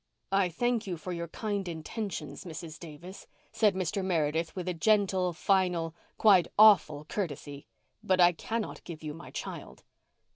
"I thank you for your kind intentions, Mrs. Davis," said Mr. Meredith with a gentle, final, quite awful courtesy, "but I cannot give you my child."